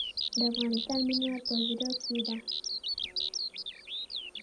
د افغانستان مینه په زړه کې ده